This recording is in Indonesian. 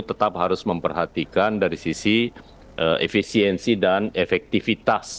tetap harus memperhatikan dari sisi efisiensi dan efektivitas